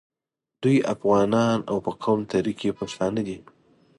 دوی افغانان او په قوم تره کي پښتانه دي.